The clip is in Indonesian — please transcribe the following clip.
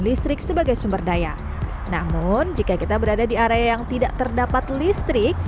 listrik sebagai sumber daya namun jika kita berada di area yang tidak terdapat listrik